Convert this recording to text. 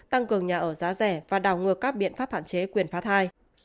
tăng cường nhà ở giá rẻ và đào ngược các biện pháp phản chế quyền phá thai